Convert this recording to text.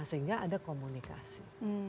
sehingga ada komunikasi